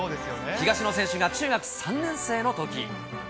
東野選手が中学３年生のとき。